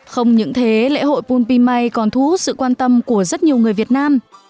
không những thế lễ hội bum pimay còn thú sự quan tâm của rất nhiều người việt nam